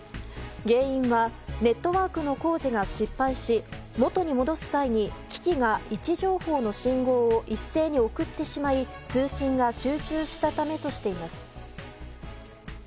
原因はネットワークの工事が失敗し元に戻す際に器機が位置情報の信号を一斉に送ってしまい通信が集中したためとしています。